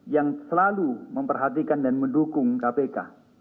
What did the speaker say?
yang selalu memperhatikan dan mendukung kpk